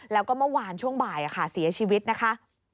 แล้วก็เมื่อวานช่วงบ่ายเสียชีวิตนะคะ